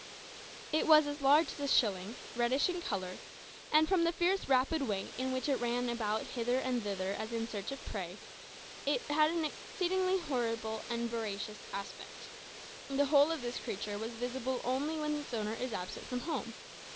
It was as large as a shilling, reddish in colour, and from the fierce, rapid way in which it ran about hither and thither as if in search of prey, it had an exceedingly horrible and voracious aspect. The hole of this creature is visible only when its owner is absent from home.